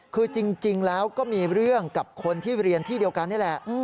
คือจริงแล้วก็มีเรื่องกับคนที่เรียนที่เดียวกันนี่แหละ